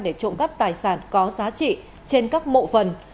để trộm cắp tài sản có giá trị trên các mộ phần